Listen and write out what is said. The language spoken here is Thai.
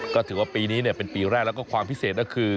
ก็ถือว่าปีนี้เป็นปีแรกแล้วก็ความพิเศษก็คือ